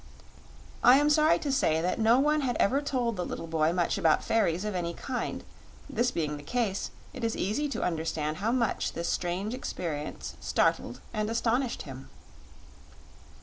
I am sorry to say that no one had ever told the little boy much about fairies of any kind; this being the case, it is easy to understand how much this strange experience startled and astonished him.